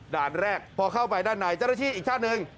ด่านแรกพอเข้าไปด้านในจริงที่อีกท่านหนึ่ง